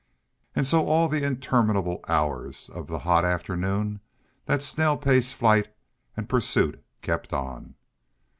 And so all the interminable hours of the hot afternoon that snail pace flight and pursuit kept on.